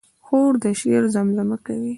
خور د شعر زمزمه کوي.